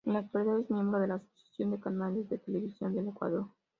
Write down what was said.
En la actualidad, es miembro de la Asociación de Canales de Televisión del Ecuador.